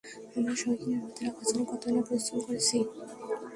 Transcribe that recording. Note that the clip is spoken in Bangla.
আমরা সবাইকে নিরাপদে রাখার জন্য কতোই না পরিশ্রম করেছি!